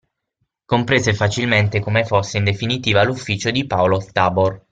Comprese facilmente come fosse in definitiva l'ufficio di Paolo Tabor.